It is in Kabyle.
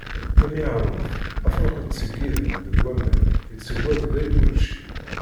Imiɛṛuf, afṛux yettṣeggiden deg waman yettwagdel i wučči.